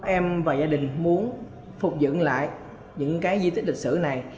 em và gia đình muốn phục dựng lại những cái di tích lịch sử này